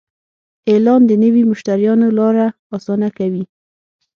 اعلان د نوي مشتریانو لاره اسانه کوي.